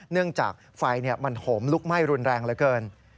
จากไฟมันโหมลุกไหม้รุนแรงเหลือเกิน